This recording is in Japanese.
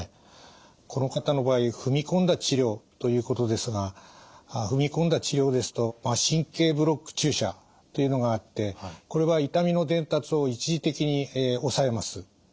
この方の場合「踏み込んだ治療」ということですが「踏み込んだ治療」ですと神経ブロック注射というのがあってこれは痛みの伝達を一時的に抑えます。